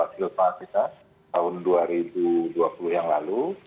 silva kita tahun dua ribu dua puluh yang lalu